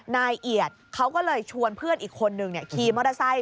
นายเอียดเขาก็เลยชวนเพื่อนอีกคนนึงขี่มอเตอร์ไซค